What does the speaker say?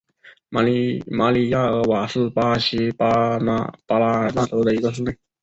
马里亚尔瓦是巴西巴拉那州的一个市镇。